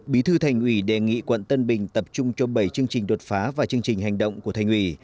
bí thư thành ủy đề nghị quận tân bình tập trung cho bảy chương trình đột phá và chương trình hành động của thành ủy